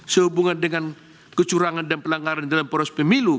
sehubungan dengan kecurangan dan pelanggaran dalam proses pemilu